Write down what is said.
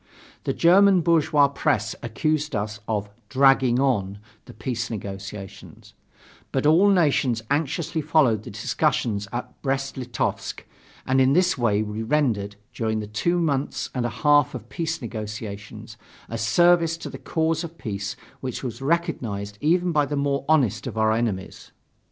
The German bourgeois press accused us of "dragging on" the peace negotiations; but all nations anxiously followed the discussions at Brest Litovsk, and in this way we rendered, during the two months and a half of peace negotiations, a service to the cause of peace which was recognized even by the more honest of our enemies.